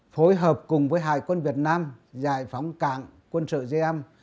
phối hợp cùng với hải quân việt nam giải phóng cảng quân sự găm